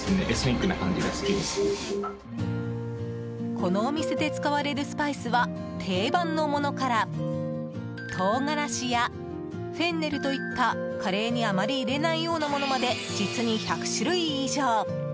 このお店で使われるスパイスは定番のものから唐辛子やフェンネルといったカレーにあまり入れないようなものまで実に１００種類以上。